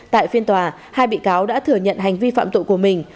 tại phiên tòa hai bị cáo đã thừa nhận hành vi phạm tội của mình